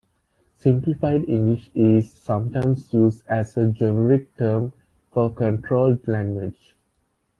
"Simplified English" is sometimes used as a generic term for a controlled language.